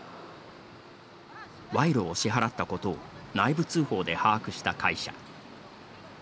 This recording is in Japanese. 賄賂を支払ったことを内部通報で把握した会社。